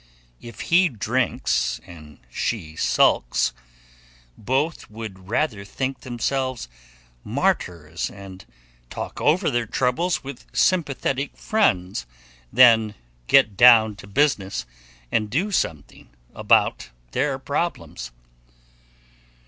If he drinks and she sulks, both would rather think themselves martyrs and talk over their troubles with sympathetic friends than get down to business and do something about their problems.